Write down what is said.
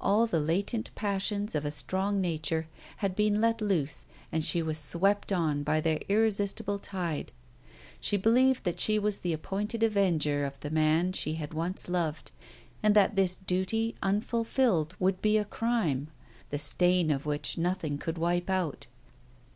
All the latent passions of a strong nature had been let loose and she was swept on by their irresistible tide. She believed that she was the appointed avenger of the man she had once loved, and that this duty unfulfilled would be a crime, the stain of which nothing could wipe out.